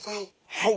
はい。